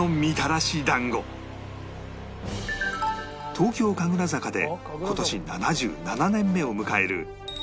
東京神楽坂で今年７７年目を迎える